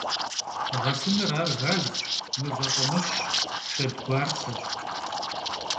Ğesınır — ar gazş, mıve f'amış'ş, şşedguartseş.